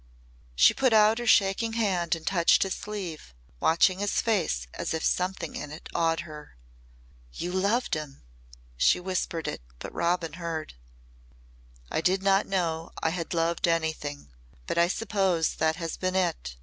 She put out her shaking hand and touched his sleeve, watching his face as if something in it awed her. "You loved him?" She whispered it. But Robin heard. "I did not know I had loved anything but I suppose that has been it.